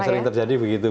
ya sering terjadi begitu